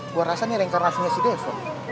gue rasa nih rengkar nasinya si deso